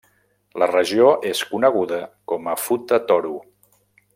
La regió és coneguda com a Futa Toro.